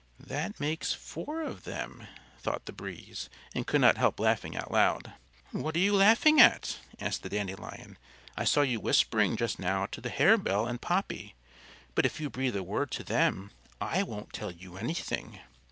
"That makes four of them," thought the Breeze, and could not help laughing out loud. "What are you laughing at?" asked the Dandelion. "I saw you whispering just now to the Harebell and Poppy; but if you breathe a word to them, I won't tell you anything."